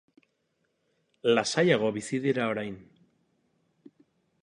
Lasaiago bizi dira orain.